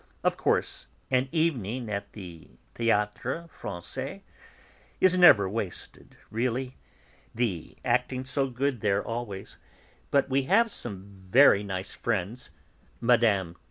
Of course an evening at the Théâtre Français is never wasted, really; the acting's so good there always; but we have some very nice friends," (Mme.